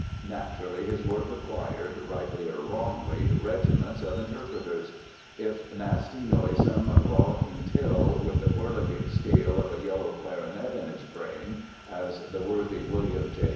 Naturally, his work acquired, rightly or wrongly, regiments of "interpreters". If "nasty, noisome, rollicking Till, with the whirligig scale of a yellow clarinet in his brain," as the worthy William J.